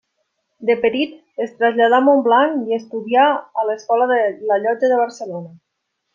De petit es traslladà a Montblanc i estudià a l'Escola de la Llotja de Barcelona.